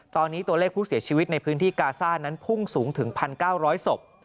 ตอนนี้ตัวเลขผู้เสียชีวิตในพื้นที่กาซ่านั้นพุ่งสูงถึง๑๙๐๐ศพ